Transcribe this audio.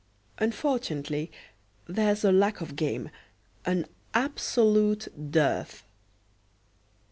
Unfortunately, there's a lack of game, an absolute dearth.